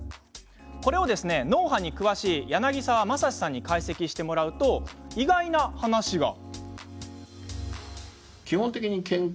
これを脳波に詳しい柳沢正史さんに解析してもらうと意外な話が。